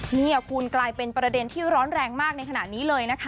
นี่คุณกลายเป็นประเด็นที่ร้อนแรงมากในขณะนี้เลยนะคะ